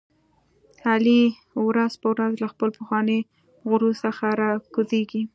علي ورځ په ورځ له خپل پخواني غرور څخه را کوزېږي.